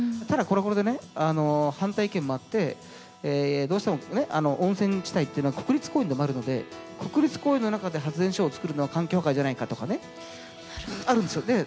ただこれもこれでね反対意見もあってどうしても温泉地帯っていうのは国立公園でもあるので国立公園の中で発電所を作るのは環境破壊じゃないかとかねあるんですよ。